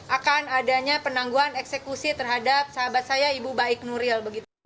akan adanya penangguhan eksekusi terhadap sahabat saya ibu baik nuril